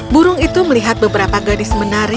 burung itu melihat beberapa gadis menari